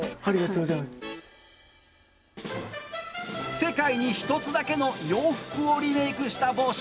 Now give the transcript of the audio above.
世界に一つだけの洋服をリメイクした帽子。